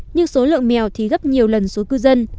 nhưng số lượng mèo thì gấp nhiều lần số cư dân